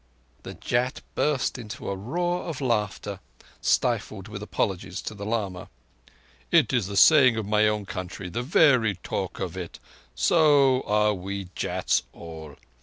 '" The Jat burst into a roar of laughter, stifled with apologies to the lama. "It is the saying of my own country the very talk of it. So are we Jats all.